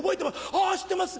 あぁ知ってます！